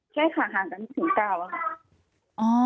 ใช่ค่ะห่างกันถึงเก่าอะค่ะ